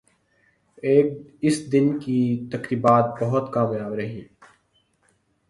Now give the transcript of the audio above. اس دن کی تقریبات بہت کامیاب رہیں